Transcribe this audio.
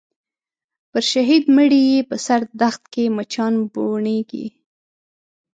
پر شهید مړي یې په سره دښت کي مچان بوڼیږي